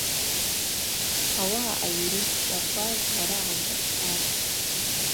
Ауаъа Аюрист шӏаква жвлара гӏандыршатӏ.